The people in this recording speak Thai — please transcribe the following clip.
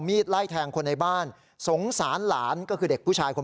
นี่แหละครับคุณผู้ชมครับ